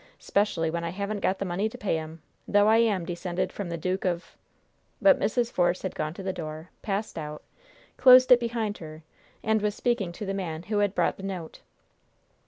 'Specially when I haven't got the money to pay 'em, though I am descended from the Duke of " But Mrs. Force had gone to the door, passed out, closed it behind her, and was speaking to the man who had brought the note.